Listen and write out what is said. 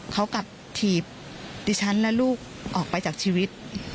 เขากลับถีบดิฉันและลูกออกไปจากชีวิต